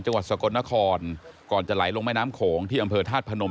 จังหวัดสกลนครก่อนจะไหลลงแม่น้ำโขงที่อำเภอธาตุพนม